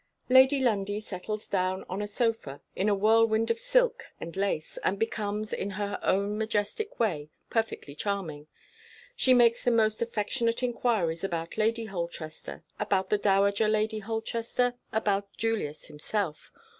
Lady Lundie settles down on a sofa in a whirlwind of silk and lace, and becomes, in her own majestic way, "perfectly charming." She makes the most affectionate inquiries about Lady Holchester, about the Dowager Lady Holchester, about Julius himself.